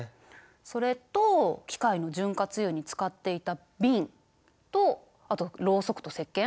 それと機械の潤滑油に使っていた瓶とあとろうそくとせっけん。